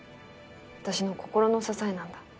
私の心の支えなんだ。